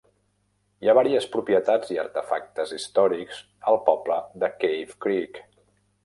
Hi ha vàries propietats i artefactes històrics al poble de Cave Creek.